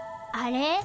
あれ？